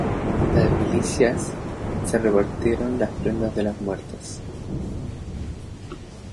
Las milicianas se repartieron las prendas de las muertas.